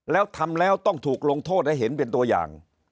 แล้วทำแล้วต้องถูกลงโทษให้เห็นเป็นตัวอย่าง